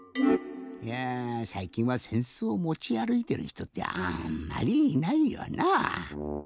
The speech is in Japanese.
いやさいきんはせんすをもちあるいてるひとってあんまりいないよなぁ。